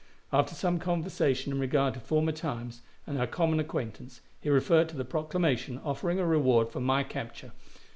After some conversation in regard to former times and our common acquaintance, he referred to the proclamation offering a reward for my capture.